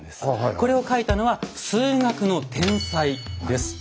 これを書いたのは数学の天才です。